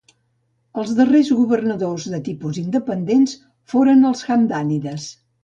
Els darrers governadors de tipus independents foren els hamdànides.